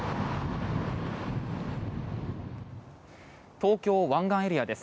東京・湾岸エリアです。